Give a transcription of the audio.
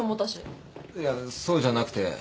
いやそうじゃなくて。